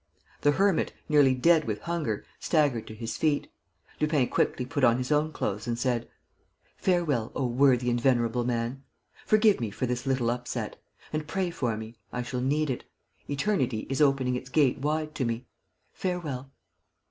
The hermit, nearly dead with hunger, staggered to his feet. Lupin quickly put on his own clothes and said: "Farewell, O worthy and venerable man. Forgive me for this little upset. And pray for me. I shall need it. Eternity is opening its gate wide to me. Farewell."